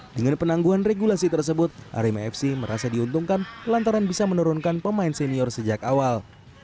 dengan penangguhan regulasi tersebut arema fc merasa diuntungkan lantaran bisa menurunkan pemain senior sejak awal